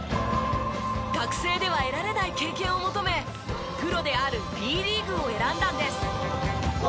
学生では得られない経験を求めプロであるＢリーグを選んだんです。